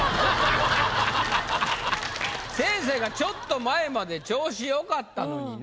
先生が「ちょっと前まで調子良かったのにね」